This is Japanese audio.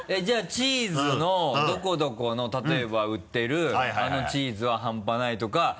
じゃあチーズのどこどこの例えば売ってるあのチーズは半端ないとか。